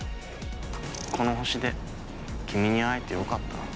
この星で君に会えてよかった。